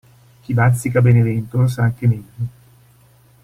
Chi bazzica Benevento lo sa anche meglio.